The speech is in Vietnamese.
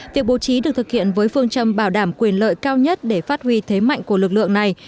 việc bố trí được thực hiện với phương châm bảo đảm quyền lợi cao nhất để phát huy thế mạnh của lực lượng này